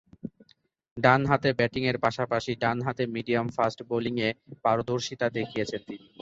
ডানহাতে ব্যাটিংয়ের পাশাপাশি ডানহাতে মিডিয়াম-ফাস্ট বোলিংয়ে পারদর্শীতা দেখিয়েছেন তিনি।